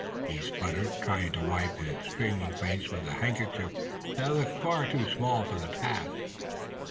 he sputtered, trying to wipe his streaming face with a handkerchief that looked far too small for the task.